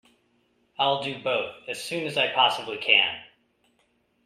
I’ll do both, as soon as I possibly can.